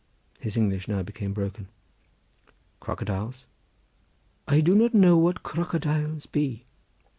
His English now became broken. "Crocodiles?" "I do not know what cracadailes be."